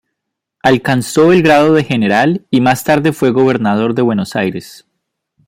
Alcanzó el grado de general y, más tarde, fue gobernador de Buenos Aires.